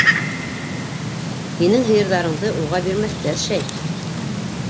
Һинең һыйырҙарыңды уға бирмәҫтәр шәй...